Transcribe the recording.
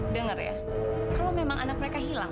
dengar ya kalau memang anak mereka hilang